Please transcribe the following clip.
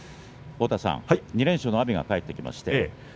２連勝の阿炎が帰ってきました。